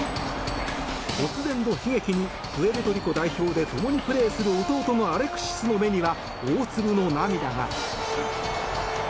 突然の悲劇にプエルトリコ代表でともにプレーをする弟のアレクシスの目には大粒の涙が。